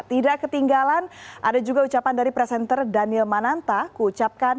tidak ketinggalan ada juga ucapan dari presenter daniel mananta kucapkan